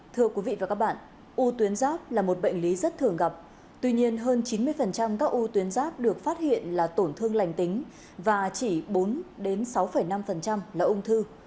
thưa quý vị và các bạn u tuyến giáp là một bệnh lý rất thường gặp tuy nhiên hơn chín mươi các u tuyến giáp được phát hiện là tổn thương lành tính và chỉ bốn sáu năm là ung thư